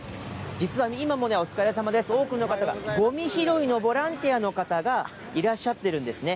実は今もね、お疲れさまです、多くの方が、ごみ拾いのボランティアの方がいらっしゃってるんですね。